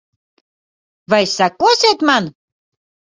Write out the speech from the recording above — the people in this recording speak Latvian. Vai sekosiet man?